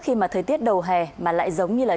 khi mà thời tiết đầu hè mà lại giống như là